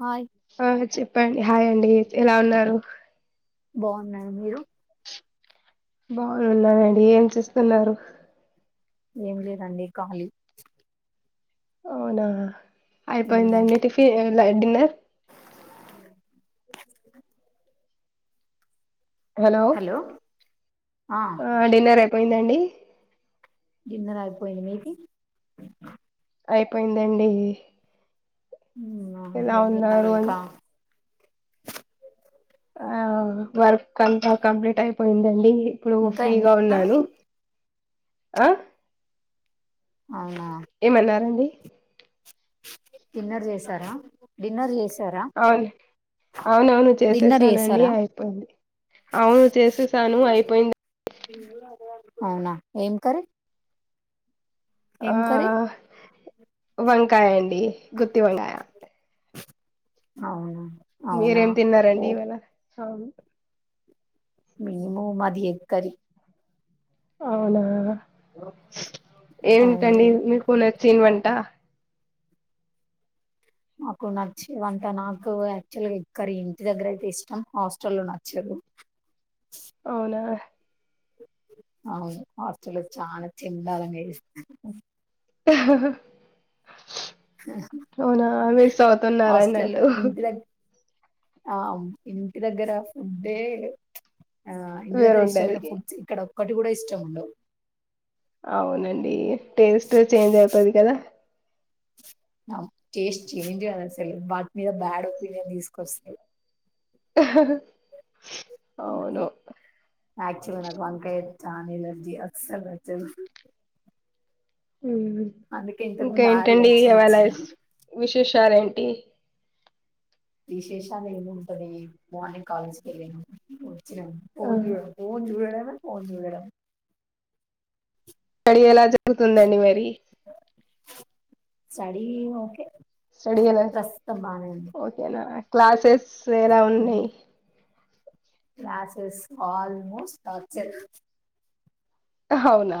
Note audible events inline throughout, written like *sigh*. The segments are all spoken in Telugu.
హాయ్ ఆ చె ప్పండి హాయ్ అండి ఎలా ఉన్నారు బాగున్నాన్ మీరు బాగునున్నానండి ఏం చేస్తున్నారు ఏం లేదండి ఖాళీ అవునా మ్మ్ అయిపోయింద అండీ టిఫి అ నైట్ డిన్నర్ హలో ఆ అ డిన్నర్ అ పోయిందండి డిన్నర్ ఆయిపోయింది మీది అయిపోయిందండి ఉం అ ఎలా ఎం చెత్తరు ఉన్నారు అ ఇంకా ఆ వర్క్ అంతా కంప్లీట్ అయిపోయిందండి ప్పుడు ఇంకా ఏం ఫ్రీగా చేస్తున్నారు ఉన్నాను ఆ అవునా ఏమన్నారండి డిన్నర్ చేసారా డిన్నర్ చేసి అవును అవునవును డిన్నర్ చేసేసానండి చేసారా అయిపోయింది అవును చేసేసాను అయిపోయింద అవునా ఏం కర్రీ ఏం కర్రీ ఆఅ వంకాయ ఇ గుత్తి వంకాయ అవునా అవునా మీరేం ఓ తిన్నారండి ఇవాళ అవును మినిమూ మది ఎగ్ కర్రీ అవునా అవును ఏంటండి మీకు న చేయిమంట నాకు నచ్చే వంట నాకు యాక్చువల్ గా ఎగ్ కరీ ఇంటి దగ్గర అయితే ఇష్టం హాస్టల్ లో నచ్చదు. ఔనా ఔను హస్టల చాల చెండాలంగాజెస్త్ హహ ఔనా మిస్ అవుతున్నారన్నట్టు ఆ ఇంటి దగ్గర ఫుడ్డే ఆ ఇంటి వేరు దగ్గర ఉంటది ఇష్టమైన ఫుడ్స్ ఇక్కడ ఒకటి గుడా ఇష్టమ్ ఉండవ్ అవునండీ టేస్ట్ చేంజ్ అవుతది కదా టేస్ట్ చేంజ్ కాద్ అసల్ వాటి మీద బ్యాడ్ ఒపీనియన్ తీసుకొస్తది ఔను ఆక్చువల నాక్ వంకాయ చాలా ఎలర్జీ అస్సల్ నచ్చదు ఉమ్. అందుకే ఇంతక్ ఇంకా ముంద్ ఆ రియాక్షన్ ఇచ్చిన విశాల్ ఏంటీ విశేషాలేం ఉంటదీ మార్నింగ్ కాలేజ్ కెలినం ఆ ఫోన్ జుడమ్ ఫోన్ జుడడమే ఫోన్ జూడడం అడి ఎలా జ గుతుందండి మరి స్టడీ ఓకే స్టడి ఎలా ప్రస్తుతం బానే ఉంది. ఓకేనా క్లాసెస్ సేరా హ్మ్. ఉన్నాయ్ క్లాసెస్ ఆల్మోస్ట్ టార్చర్ హవునా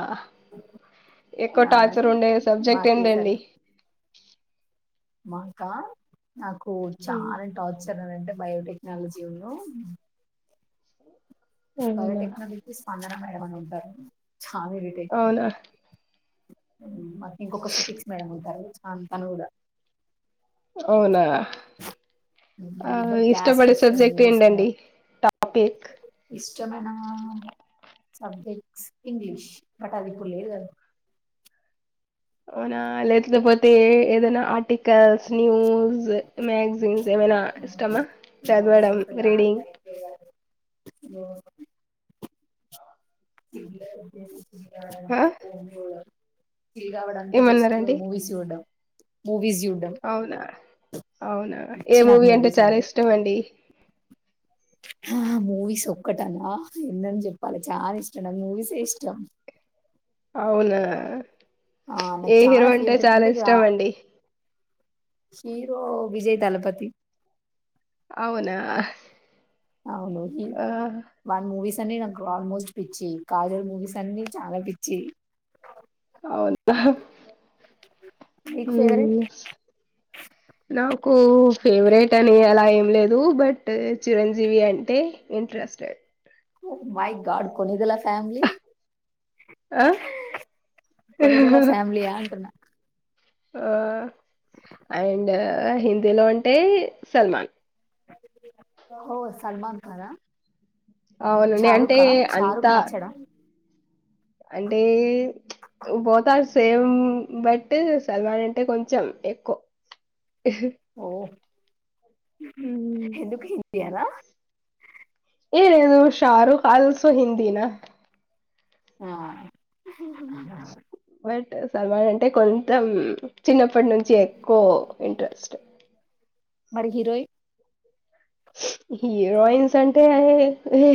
ఎక్కువ ఆ టార్చర్ ఉండే సబ్జెక్ట్ మాకి ఏంటండి మాంకా నాకు ఉమ్, చాలా టార్చ్ టే బయోటెక్నాలజీ యున్నూ అవునా బయోటెక్నాలజి స్పందన మే ఎ ఉంటా ఛాల ఇరిటే అవునా మ ఇంకొక సుటిక్స్ మేడం అంటారు చాంతను కూడా ఓనా ఆ వీళ్ళిద్దరు క్లాస్కి ఇష్టపడే వస్తే సబ్జెక్ట్ మూడ్స్ ఏంటండి టాపిక్ ఇష్టమైనా సబ్జెక్ట్స్ ఇంగ్లీష్ బట్ అదిప్పుడు లేద్గద ఔనా లేతుల పోతే ఏదన్నా ఇగ స్నూజ్ మాక్సింస్ ఏమైనా ఇష్టమా మన చదవడం మనసులో ఆ రీడింగ్ టైప్ ఏ ఇ అ ఆ పో చిల్ కావడానికి జస్ట్ ఏమన్నారండి మూవీస్ చూడం మూవీస్ చూడడం అవునా అవునా ఏ పిచ్చి నాకు మూవీ అంటే మూవీస్ చాలా ఇష్టం అండి ఆ మూవీస్ ఒక్కటా ఎన్నన్ని చెప్పాలి చాలా ఇష్టం నాక్ మూవీసే ఇష్టం అవునా ఆ నాకు ఏ హీరో చాలా అంటే ఫేవరెట్ చాలా ఇగ ఇష్టం అండి హీరో విజయ్ దలపతి అవునా అవునండి ఆ వాన్ మూవీస్ అన్ని నాకు ఆల్మోస్ట్ పిచ్చి కాజల్ మూవీస్ అన్ని చాలా పిచ్చి అవునా నీకు ఫేవరెట్ హుమ్ నాకు ఫేవరెట్ అని అలా ఏం లేదు బట్ చిరంజీవి అంటే ఇంట్రెస్టెడ్ మై గాడ్ కొనిదలస్ ఫ్యామిలీ ఆ కొనిదలా ఫ్యామిలీ ఆ అంటున్న ఆ అండ్ హిందీలో అంటే సల్మాన్ ఓహో సల్మాన్ కాన అవునండి అంటే అంతా నచ్చడా అంటే both are same but Salman అంటే కొంచెం ఎక్కువ ఓ మ్మ్. ఎందుకి ఎలా ఏరేదు షారుక్ అల్సో హింది నా ఆ బట్ సల్మాన్ అంటే కొంచెం చిన్న అప్పటి నుంచి ఎక్కువ ఇంట్రెస్ట్ మరి హీరోయిన్ హీరోయిన్స్ అంటే అది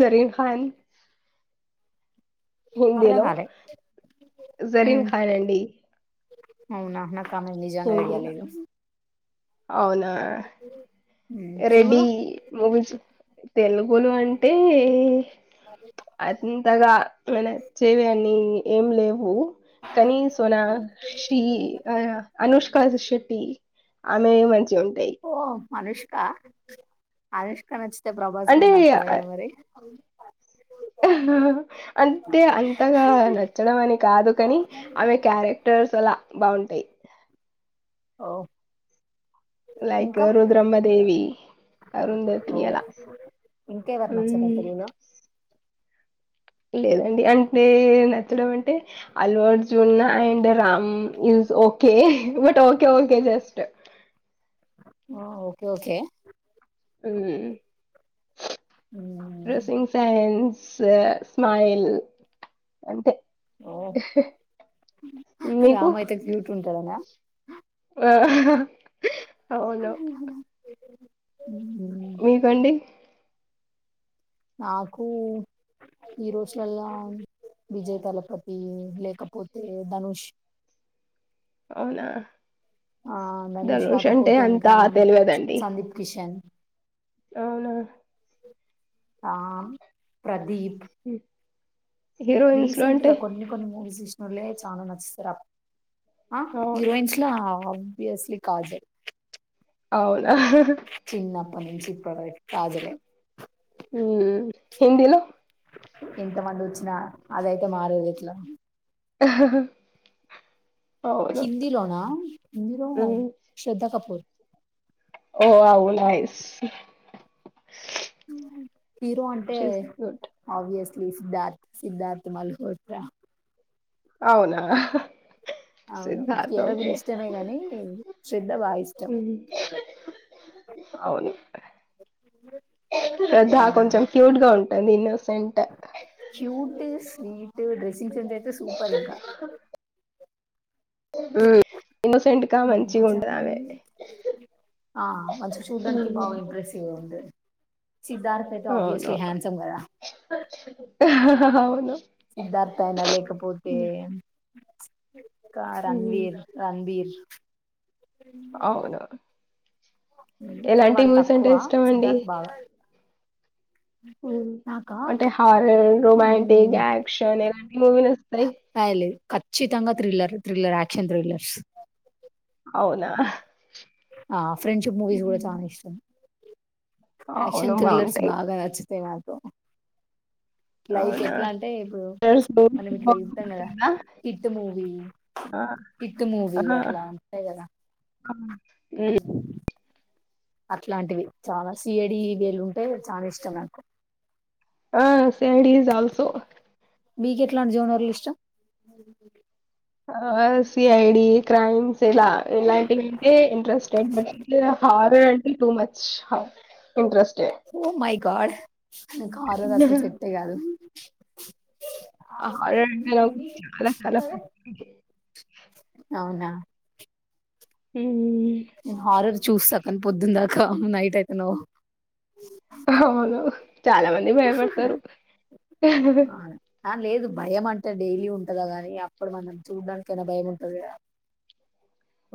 జరిఖన్ అర్థం హిందీలో కాలే ఉమ్ జరింఖన్ అండి అవునా నాక్ కాని నిజంగా ఐడియా హిందీలో లేదు అవునా ఇ రెడ్డి ముగిచ తెల్గులు అం టే అంతగా మన చేవి అన్నీ ఏం లేవు కనీ సోనా శ్రీ ఆ అనుష్కా శెట్టి ఆమె మంచి ఓ అనుష్ కా అనుష్క నాచ్ అే ప్రభాస్ కూడా అంటే నచ్చాలి కదా మరి అంటే అంతగా నచ్చడం అని కాదు కని ఆమె క్యారెక్టర్స్ అలా బాగుంటయి హొ లైక్ ఇంకా రుద్రమ్మదేవి అరుంధతి ఓ అలా ఇంకేవరు నచ్చరా మ్మ్. తెలుగులో లేదండి అంటే అంటే Allu Arjun and Ram is okay but okay okay just ఓహో okay okay um um dressing sense స్ స్మైల్ అంతే ఓ మీకు? రామ్ అయితే క్యూట్ ఉంటాడానా ఆ హా అవును ఉమ్ మీకండి నాకు ఈ రోజులలో విజయ్ తలపతి లేకపోతే ధనుష్ అవునా ఆ ధనుష్ అంటే కాకపోతే అంత ఇంకా తెలియదండి. సందీప్ కిషన్ అవునా ఆ ప్రదీప్ హ రీసెంట్ గా కొన్ని కొన్ని మూవీస్ ఇష్ట ఉళ్ళ చాను నచ్చస్తరా ఆ అవును. హీరోయిన్స్లా బ్వియస్లీ కాజల్ అవును హా హా ముంంచిప్ప ఇరే ఉమ్ హిహంద్‌లో ఇంత మంది వచ్చినా అదయితే మారేదు ఇట్లా హా హా కిందిలోనా కిందిలో శ్రద్ధ కపూర్ ఓ అవున్నాయిస్ ఉ ఇరు అంటే గుడ్. ఆబ్వియస్ సిద్ధార్థ్ మల్హోత్రా అవునా అవును కియారా సిద్ధార్థకే కూడా ఇష్టమే గాని శ్రద్ధ బాగా అవును శ్రధ ఇష్టం కొంచెం క్యూట్ గా ఉంటు అది క్యూట్ స్వీట్ డెస్ స అయితే సూపర్ ఇంకా ఇన్నోసెంట్కా ఉమ్, మంచి కొంచెం ఉండదామే ఆ మంచి చూడ్డానికి బాగా ఇంప్రెసివ్గా ఉంటది సిద్ధార్థ్ అయితే అవును ఆబ్వియస్లీ హ్యాండ్సమ్ కదా హా అవును సిద్ధార్థ అయినా లేకపోతే రణవీర్ రణవీర్ అవునును కానీ వాళ్ళు తక్కువ ఇష్టం అండి సిద్ధార్థ్ బావ అంటే హారర్ రొమాంటిక్ ఉమ్, యాక్షన్ ఎలాంటి మూవీలు వస్తాయి థ్రిలర్ థ్రిల్ర్ యాక్షన్ థ్రిలర్స్ అవునా ఆ ఫ్రెండ్షిప్ మూవీస్ కూడా హ్మ్. చాన ఇష్టం యాక్షన్ అవును థ్రిల్లర్స్ బాగుంటాయి బాగా నచ్చి తవాతో లైక్ అవునా ఎట్లా అంటే ఇప్పుడు హారర్స్ మనం మూవీస్ ఇట్లా ఇద్దాం కదా బాగుంటుందా? హిట్ మూవీ హిట్ మూవీ అట్లా ఉంటాయి కదా ఆ స అట్లాంటివి చాలా సియడి వీలు ఉంటే చాలా ఇష్టం నాకు ఆ సిఐడి ఈస్ ఆల్సో మీకెట్లాంటి జానర్లు ఇష్టం ఆ సి ఐడి క్రైమ్స్ ఇలా ఇలాంటివింటే ఇంట్రెస్ట్ అ horror too much interesting oh my god నాకు హరర్ అసలు సెట్టే కాదు హరర్ అంటే చాలా చాలా అవునా హ హారర్ చూస్తా కానీ పొద్దుందాకా నైట్ అయిపోయినవ్ అవును చాలా మంది భయపడతరు ఆ లేదు భయం అంటే డైలీ ఉంటదా గానీ అప్పటి మందం చూడ్డానికైనా భయం ఉంటాది కదా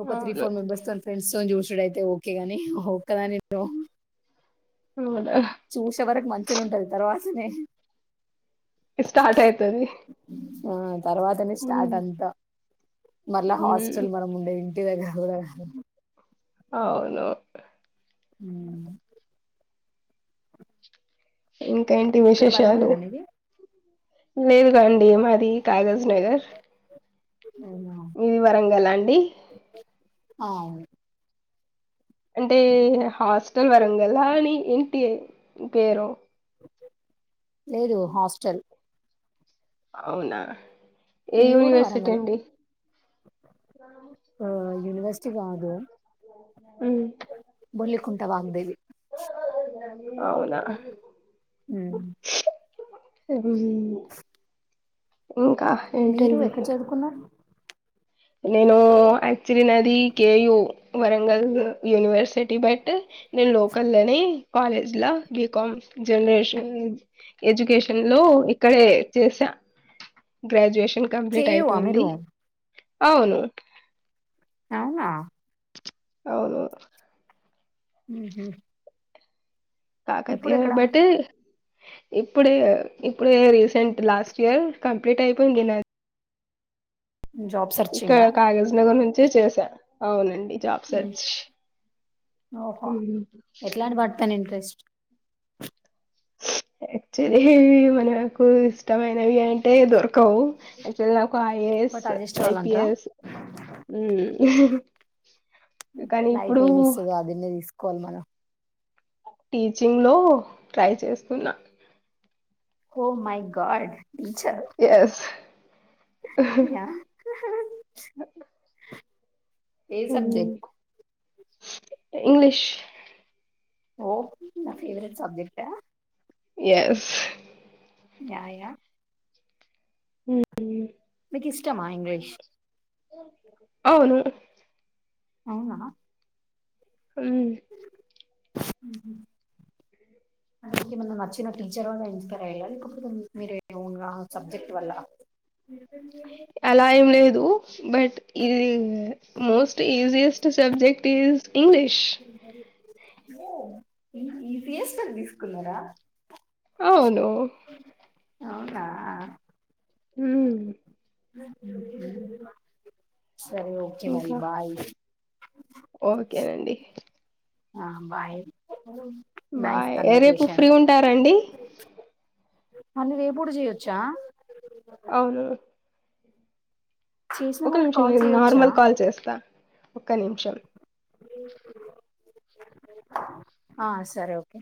ఒక త్రీ అవును. ఫోర్ మెంబెర్స్ తోని ఫ్రెండ్స్ తొని చూసుడయితే ఓకే గాని ఒక్కదాని అవును. చూసే వరకు మంచిగానే ఉంటది తర్వాత స్ స్టార్ట్ అయితది. ఆ తర్వాతనే స్టార్ట్ హ్మ్. అంతా మరల హ్మ్. హాస్టల్ మనం ఉండే ఇగ చాలు కదా అవును అ ఇంకా ఏంటి ఇక్కడ విశేషాలు వరంగలేనా మీది లేదు కాండి మాది కాగజ్ నగర్ మీది వరంగలా అండి ఆ అవును అంటే హాస్టల్ వరంగల్ అ అని ఏంటి పేరు లేదు హాస్టల్ అవునా ఏ ఇల్లు కూడా యూనివర్సిటీ వరంగలే అండి యూనివర్సిటీ కాదు ఉమ్, బొల్లికుంట వాగ్దేవి ఆ అవునా హ హ్మ్ ఇంకా మీరు ఏంటండి ఎక్కడ చదువుకున్నారు నేను యాక్చులీ నాది కేయూ వరంగల్ యూనివర్సిటీ బట్ నేను లోకల్లోని కాలేజ్ బీకామ్ జనరేషన్ ఎడ్యుకేషన్ లో ఇక్కడే చేసా గ్రాడ్యుయేషన్ కంప్లీట్ కేయు ఆ అయిపోయింది మీరు అవును అవునా అవును హ తాకతయ బట్ ఇప్పుడే ఇప్పుడే రీసెంట్ లాస్ట్ ఇయర్ కంప్లీట్ అయిపోయింది నాది జాబ్ ఇక్కడ సర్చింగా కాలెజ్ నగర్ నుంచి చే చేసా అవునండి జాబ్ సెర్చ్ ఓహో ఎట్లాంటి పడతాను ఇంట్రెస్ట్ యాక్చువల్లీ మనకు ఇష్టమైనవి అంటే దొరకవు క్చువల్ నాకు ఐఏఎస్ బట్ అడ్జస్ట్ కావాలంటారా ఐపిఎస్ కానీ లైఫ్ ఇప్పుడు ఏమి ఇస్తు అదన్నే తీసుకు కోల్ మన టీచింగ్ లో ట్రై చేస్తున్నా oh my god yes ya ఏ సబ్జెక్ట్ ఇంగ్లీష్ ఓ నా ఫేవరెట్ సబ్జెక్ట్ ఎస్ న్యా ఉ ఎ ఇష్టమా ఇంగ్లీష్ అవును అవునా ఉమ్ అ మ నచ్చిన టీచర్ వల్ల ఇన్స్పైర్ అయ్యలా లేకపోతే మీరు సబ్జెక్ట్ వల్ల అలా ఏం లేదు బట్ ఇ most easiest subject is English ఈ సిఎస్టర్ తీసుకున్నారా అవును అవునా ఉ *inaudible* సరే ఓకే మరి ఇంకా బాయ్ ఓకేనండి ఆ బాయ్ నైస్ బాయ్ రేపు కన్వర్సేషన్ ఫ్రీ ఉంటారండి అంటే రేపు కూడా చేయొచ్చా అవును చేసిన ఒక వాళ్ళకి నిమిషం కాల్ నేను చేయొచ్చా నార్మల్ కాల్ చేస్తా ఒక్క నిమిషం ఆ సరే ఓకే